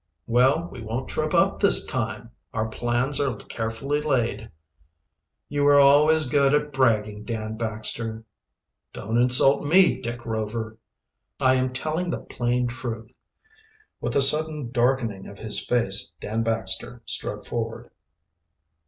"Well, we won't trip up this time. Our plans are carefully laid." "You were always good at bragging, Dan Baxter." "Don't insult me, Dick Rover." "I am telling the plain truth." With a sudden darkening of his face Dan Baxter strode forward.